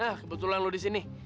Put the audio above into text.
ah kebetulan lo di sini